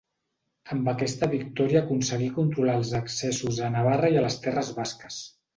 Amb aquesta victòria aconseguí controlar els accessos a Navarra i a les terres basques.